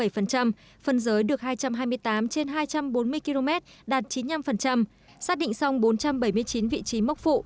phân giới được hai trăm hai mươi tám trên hai trăm bốn mươi km đạt chín mươi năm xác định xong bốn trăm bảy mươi chín vị trí mốc phụ